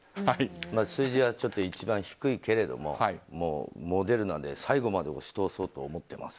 数字は一番低いけれどももうモデルナで最後まで押し通そうと思っています。